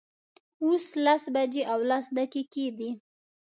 اوس لس بجې او لس دقیقې دي